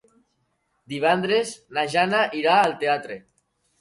Divendres na Jana irà al teatre.